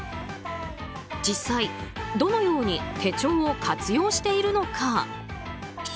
実際、どのように手帳を活用しているのか。